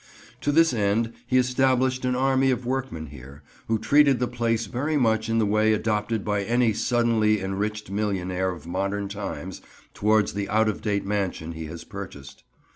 To this end he established an army of workmen here, who treated the place very much in the way adopted by any suddenly enriched millionaire of modern times towards the out of date mansion he has purchased.